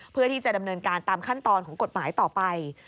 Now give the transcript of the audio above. เพื่อที่จะดำเนินการตามขั้นตอนของกฎหมายต่อไป